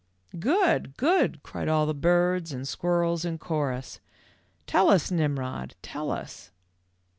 n Good ! Good !" cried all the birds and squirrels in chorus. "Tell us, Nimrod; tell us."